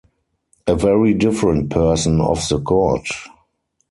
A very different person off the court.